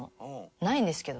ないんですけど。